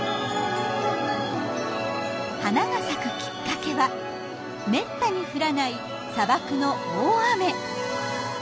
花が咲くきっかけはめったに降らない砂漠の大雨。